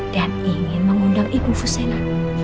dan ingin mengundang ibu fusena